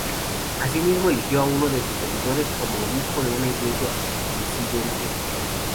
Así mismo eligió a uno de sus seguidores como obispo de una iglesia disidente.